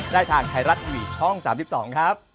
ได้ทางไทยรัฐทีวีช่อง๓๒ครับ